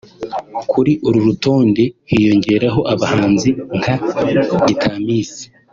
Kuri uru rutonde hiyongeraho abahanzi nka Gitamisi